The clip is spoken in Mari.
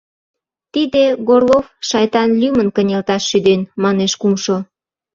— Тиде Горлов, шайтан, лӱмын кынелташ шӱден, — манеш кумшо.